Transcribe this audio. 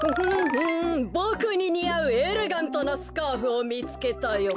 ボクににあうエレガントなスカーフをみつけたよ。